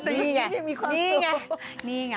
นี่ไงนี่ไง